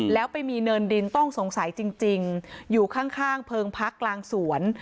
แล้วไปมีเนินดินต้องสงสัยจริงอยู่ข้างเพิงพักกลางสวน